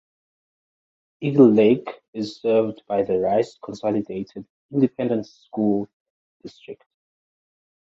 Eagle Lake is served by the Rice Consolidated Independent School District.